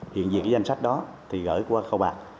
huyện duyệt danh sách đó thì gửi qua kho bạc